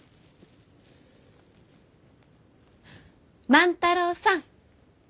万太郎さん！